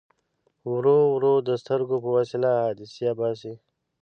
ورو ورو د سترګو په وسیله عدسیه باسي.